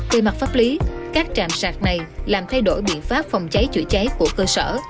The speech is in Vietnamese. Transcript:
về mặt pháp lý các trạm sạc này làm thay đổi biện pháp phòng cháy chữa cháy của cơ sở